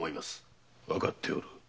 わかっておる。